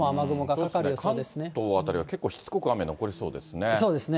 関東辺りは結構しつこく雨、残りそうですね。